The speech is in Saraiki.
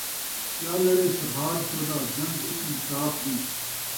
کیا لڑے فرؔھاد شودا جنگ اتھ انصاف دی